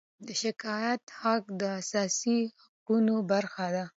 د شکایت حق د اساسي حقونو برخه ده.